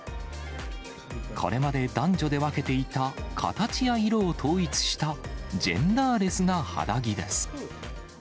これまで男女で分けていた形や色を統一したジェンダーレスな肌着です。